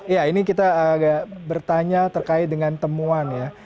ya ini kita agak bertanya terkait dengan temuan ya